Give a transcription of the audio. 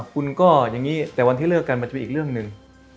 คุณก็อย่างนี้แต่วันที่เลิกกันมันจะมีอีกเรื่องหนึ่ง